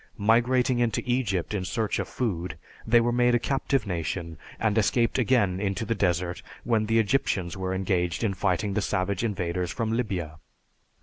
Migrating into Egypt in search of food, they were made a captive nation and escaped again into the desert when the Egyptians were engaged in fighting the savage invaders from Libya.